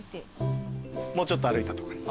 もうちょっと歩いたとこに。